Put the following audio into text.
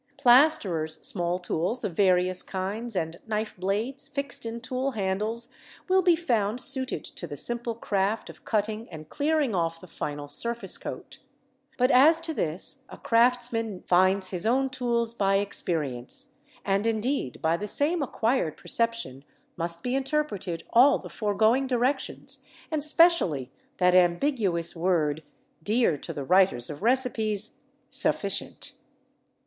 Plasterers' small tools of various kinds and knife blades fixed in tool handles will be found suited to the simple craft of cutting and clearing off the final surface coat; but as to this a craftsman finds his own tools by experience, and indeed by the same acquired perception must be interpreted all the foregoing directions, and specially that ambiguous word, dear to the writers of recipes, Sufficient.